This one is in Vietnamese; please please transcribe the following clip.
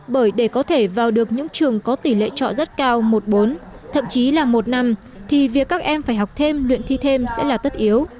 bởi để có thể vào được những trường có tỷ lệ trọ rất cao một bốn thậm chí là một năm thì việc các em phải học thêm luyện thi thêm sẽ là tất yếu